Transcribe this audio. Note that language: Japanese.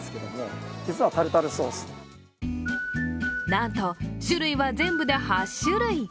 なんと、種類は全部で８種類。